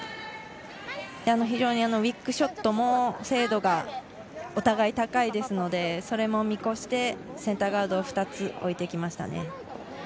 非常にウィックショットも精度がお互い高いので、それも見越してセンターガードを２つ置いてきましたね。